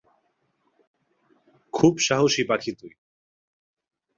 খুব সাহসী পাখি তুই।